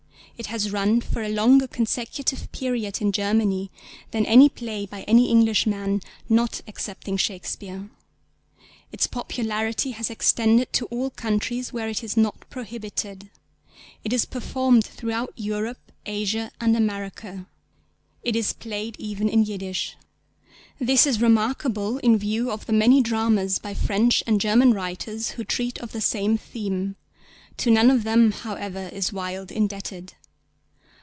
It has run for a longer consecutive period in Germany than any play by any Englishman, not excepting Shakespeare. Its popularity has extended to all countries where it is not prohibited. It is performed throughout Europe, Asia and America. It is played even in Yiddish. This is remarkable in view of the many dramas by French and German writers who treat of the same theme. To none of them, however, is Wilde indebted.